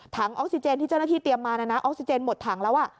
ออกซิเจนที่เจ้าหน้าที่เตรียมมานะนะออกซิเจนหมดถังแล้ว